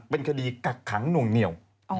เป็นคดีกักขังหน่วงเหนียว